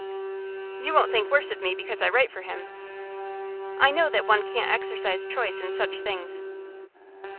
You won't think worse of me because I write for him?' 'I know that one can't exercise choice in such things.